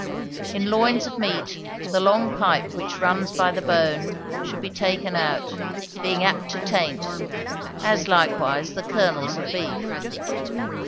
In loins of meat, the long pipe which runs by the bone should be taken out, being apt to taint, as likewise the kernels of beef.